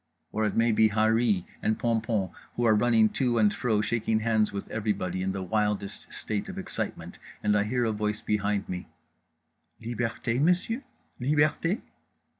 Or it may be Harree and Pompom who are running to and fro shaking hands with everybody in the wildest state of excitement, and I hear a voice behind me: "_Liberté, monsieur? Liberté?